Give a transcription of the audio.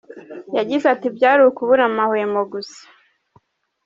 Yagize ati “Byari ukubura amahwemo gusa.